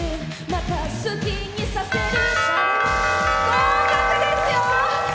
合格ですよ。